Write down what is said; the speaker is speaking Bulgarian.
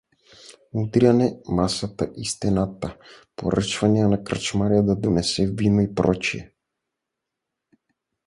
— удряне масата и стената, поръчвания на кръчмаря да донесе вино и пр.